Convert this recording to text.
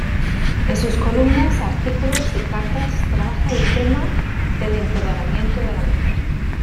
En sus columnas, artículos y cartas trabaja el tema del empoderamiento de la mujer.